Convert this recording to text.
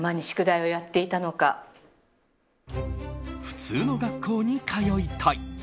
普通の学校に通いたい。